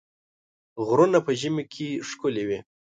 غرونه په ژمي کې ښکلي وي.